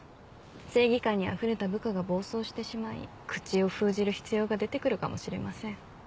正義感にあふれた部下が暴走してしまい口を封じる必要が出て来るかもしれません。